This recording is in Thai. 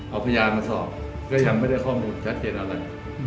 เอาพยานมาสอบก็ยังไม่ได้ข้อมูลชัดเจนอะไร